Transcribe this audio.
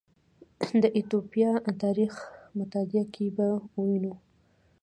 د ایتوپیا تاریخ مطالعه کې به ووینو